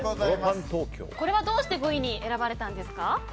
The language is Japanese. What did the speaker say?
これはどうして５位に選ばれたんですか。